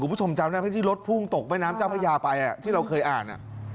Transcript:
คุณผู้ชมจำได้ไหมที่รถพุ่งตกแม่น้ำเจ้าพระยาไปที่เราเคยอ่าน